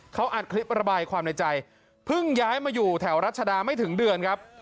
เขาอัดคลิประบายความในใจเพิ่งย้ายมาอยู่แถวรัชดาไม่ถึงเดือนครับ